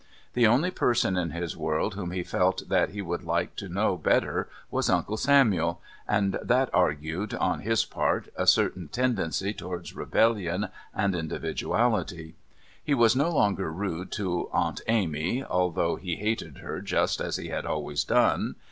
The only person in his world whom he felt that he would like to know better was Uncle Samuel, and that argued, on his part, a certain tendency towards rebellion and individuality. He was no longer rude to Aunt 'Amy, although he hated her just as he had always done.